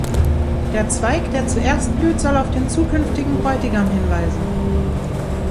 Der Zweig, der zuerst blüht, soll auf den zukünftigen Bräutigam hinweisen.